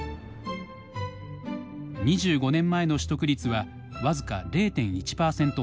２５年前の取得率は僅か０．１％ほど。